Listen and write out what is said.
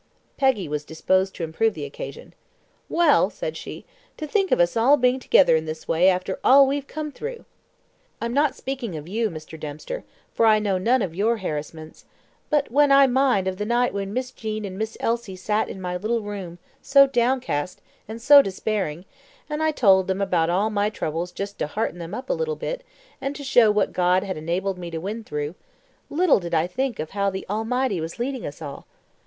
Peggy was disposed to improve the occasion. "Well," said she, "to think of us all being together in this way after all we've come through! I'm not speaking of you, Mr. Dempster, for I know none of your harassments but when I mind of the night when Miss Jean and Miss Elsie sat in my little room, so downcast, and so despairing, and I told them about all my troubles just to hearten them up a bit, and to show what God had enabled me to win through, little did I think of how the Almighty was leading us all!